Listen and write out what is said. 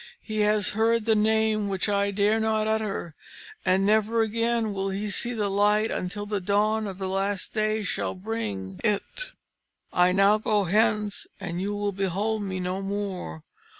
He has heard the Name which I dare not utter, and never again will he see the light until the dawn of the last day shall bring it. "I now go hence, and you will behold me no more.